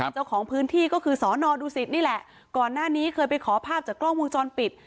เจ้าของพื้นที่ก็คือสอนอดูสิตนี่แหละก่อนหน้านี้เคยไปขอภาพจากกล้องวงจรปิด